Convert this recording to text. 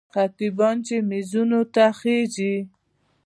خطیبان چې منبرونو ته خېژي.